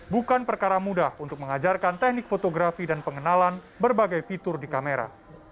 bukan perkara mudah untuk mengajarkan teknik fotografi dan pengenalan berbagai fitur di kamera